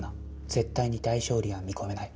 絶対に大勝利は見込めない。